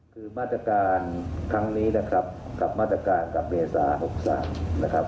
คือมาตรการครั้งนี้นะครับกับมาตรการกับเมษา๖๓นะครับ